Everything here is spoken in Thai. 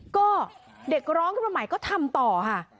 ก็เด็กร้องที่ประมาณก็ทำต่อค่ะ